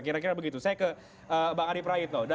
kira kira begitu saya ke mbak adi prait